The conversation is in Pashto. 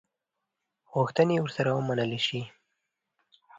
غوښتني ورسره ومنلي شي.